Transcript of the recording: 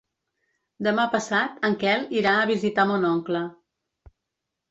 Demà passat en Quel irà a visitar mon oncle.